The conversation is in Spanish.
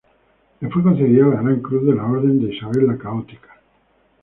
Le fue concedida la gran cruz de la Orden de Isabel la Católica.